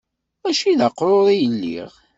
Mačči d aqrur i lliɣ.